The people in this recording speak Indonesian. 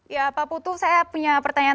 ya pak putu saya punya pertanyaan